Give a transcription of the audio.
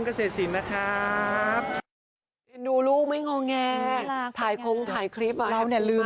เอาจริงว่าปลูกไว้พอคิ้วมาก็คือ